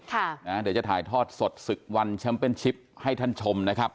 เดี๋ยวจะถ่ายทอดสดศึกวันแชมป์เป็นชิปให้ท่านชมนะครับ